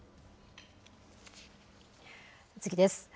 次です。